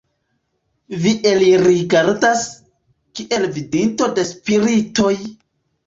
vi elrigardas, kiel vidinto de spiritoj!